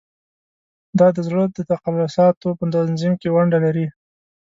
دا د زړه د تقلصاتو په تنظیم کې ونډه لري.